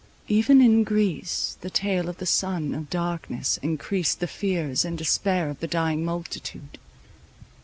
Even in Greece the tale of the sun of darkness encreased the fears and despair of the dying multitude.